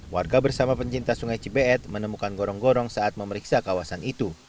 warga bersama pencinta sungai cibeet menemukan gorong gorong saat memeriksa kawasan itu